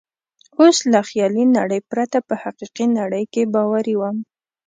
اوس له خیالي نړۍ پرته په حقیقي نړۍ کې باوري وم.